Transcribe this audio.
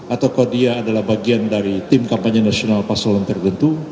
atau kalau dia adalah bagian dari tim kampanye nasional pasalon tertentu